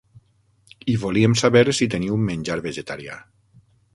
I volíem saber si teniu menjar vegetarià.